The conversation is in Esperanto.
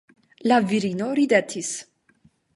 La virino ridetis.